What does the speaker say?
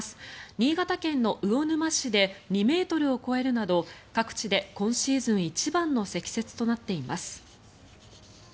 新潟県の魚沼市で２ｍを超えるなど各地で今シーズン一番の積雪となっています。